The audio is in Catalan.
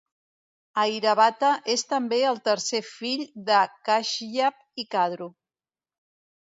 Airavata és també el tercer fill de Kashyap i Kadru.